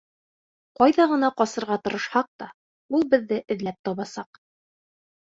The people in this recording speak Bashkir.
Ҡайҙа ғына ҡасырға тырышһаҡ та, ул беҙҙе эҙләп табасаҡ.